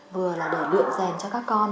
vừa là để lượng rèn cho các con